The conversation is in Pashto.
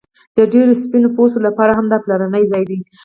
د ډیرو سپین پوستو لپاره هم دا پلرنی ځای دی